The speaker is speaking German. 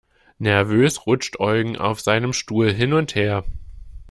Nervös rutscht Eugen auf seinem Stuhl hin und her.